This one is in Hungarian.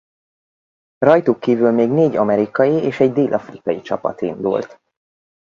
Rajtuk kívül még négy amerikai és egy dél-afrikai csapat indult.